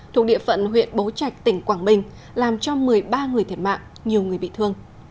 thuộc địa phận huyện bố trạch tỉnh quảng bình làm cho một mươi ba người thiệt mạng nhiều người bị thương